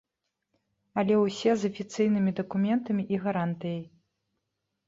Але ўсе з афіцыйнымі дакументамі і гарантыяй.